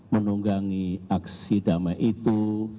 menunggangi aksi damai itu